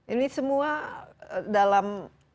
ini semua dalam